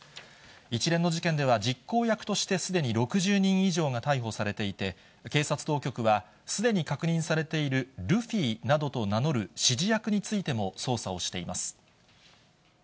一連の事件では、実行役としてすでに６０人以上が逮捕されていて、警察当局は、すでに確認されているルフィなどと名乗る指示役についても、捜査をしています。